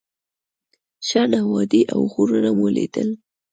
شنه وادي او غرونه مو لیدل.